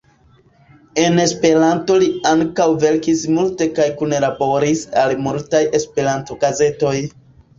En Esperanto li ankaŭ verkis multe kaj kunlaboris al multaj Esperanto-gazetoj.